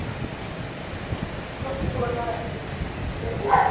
Kuki ushaka kuvugana na kubyerekeye?